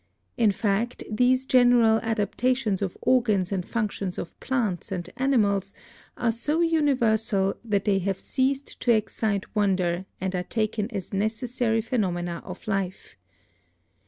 In fact, these general adaptations of organs and functions of plants and animals are so universal that they have ceased to excite wonder and are taken as necessary phenomena of life.